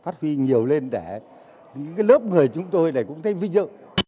thì nhiều lên đã những cái lớp người chúng tôi này cũng thấy ví dụ